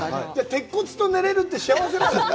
鉄骨と寝れるって幸せだよね。